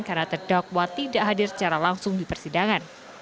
karena terdakwa tidak hadir secara langsung di persidangan